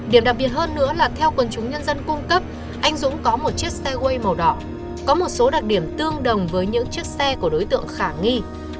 điểm đặc biệt hơn nữa là theo quần chúng nhân dân cung cấp anh dũng có một chiếc xe quay màu đỏ có một số đặc điểm tương đồng với những chiếc xe của đối tượng khả nghi